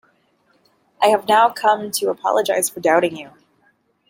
I have now come to apologize for doubting you.